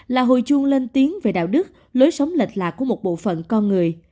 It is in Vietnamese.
là hồi chuông lên tiếng về đạo đức lối sống lệch lạc của một bộ phận con người